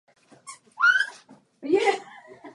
Kromě toho porodila a úspěšně vychovala dva syny.